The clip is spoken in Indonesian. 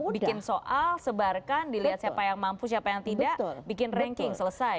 bikin soal sebarkan dilihat siapa yang mampu siapa yang tidak bikin ranking selesai